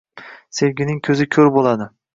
Sevgining ko'zi ko'r bo'ladi!